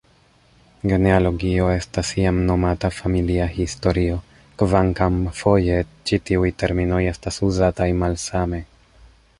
Genealogio estas iam nomata familia historio, kvankam foje ĉi tiuj terminoj estas uzataj malsame.